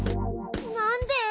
なんで？